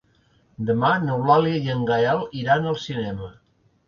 Demà n'Eulàlia i en Gaël iran al cinema.